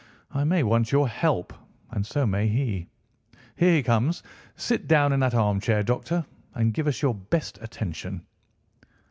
I may want your help, and so may he. Here he comes. Sit down in that armchair, Doctor, and give us your best attention."